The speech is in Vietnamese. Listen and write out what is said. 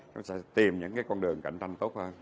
chúng ta sẽ tìm những con đường cạnh tranh tốt hơn